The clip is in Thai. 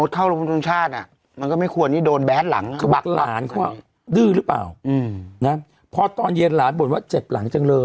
เขาส่งหลานมาเรียนเนอะ